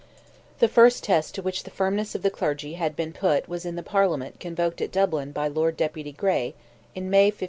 The first test to which the firmness of the clergy had been put was in the Parliament convoked at Dublin by Lord Deputy Gray, in May, 1537.